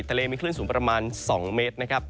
ทะเลมีคลื่นสูงประมาณ๒เมตรนะครับ